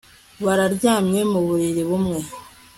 Bararyamye mu buriri bumwe